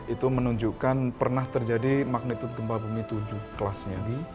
itu menunjukkan pernah terjadi magnitude gempa bumi tujuh kelasnya